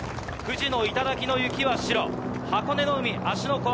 富士の頂の雪は白、箱根の海・芦ノ